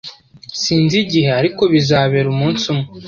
Sinzi igihe, ariko bizabera umunsi umwe.